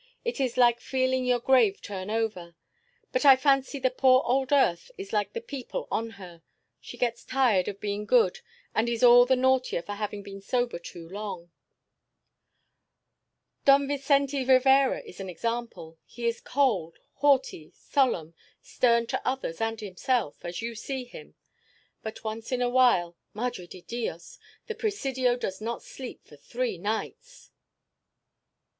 It is like feeling your grave turn over. But I fancy the poor old earth is like the people on her; she gets tired of being good and is all the naughtier for having been sober too long. Don Vincente Rivera is an example; he is cold, haughty, solemn, stern to others and himself, as you see him; but once in a while Madre de Dios! The Presidio does not sleep for three nights!"